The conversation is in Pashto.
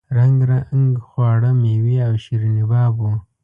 رنګ رنګ خواړه میوې او شیریني باب وو.